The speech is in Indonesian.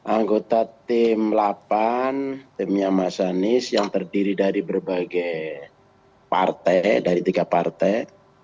anggota tim delapan timnya mas anies yang terdiri dari berbagai partai dari tiga partai